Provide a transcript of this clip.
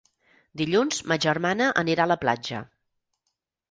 Dilluns ma germana anirà a la platja.